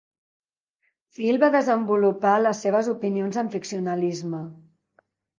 Field va desenvolupar les seves opinions en ficcionalisme.